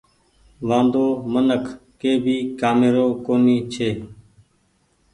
وآندو منک ڪي ڀي ڪآمي رو ڪونيٚ ڇي۔